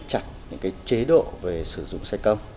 chặt những cái chế độ về sử dụng xe công